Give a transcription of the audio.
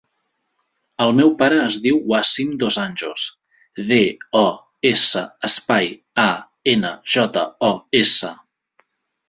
El meu pare es diu Wassim Dos Anjos: de, o, essa, espai, a, ena, jota, o, essa.